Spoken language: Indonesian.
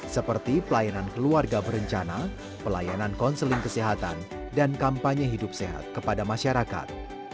seperti pelayanan keluarga berencana pelayanan konseling kesehatan dan kampanye hidup sehat kepada masyarakat